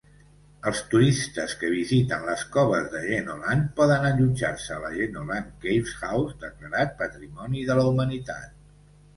Els turistes que visiten les coves de Jenolan poden allotjar-se a la Jenolan caves house, declarat patrimoni de la humanitat.